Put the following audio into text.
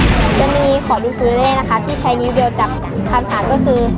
ตอนนี้จะมีขอดที่สูญเล่นที่ใช้นิ้วเดียวจากคำถามคือ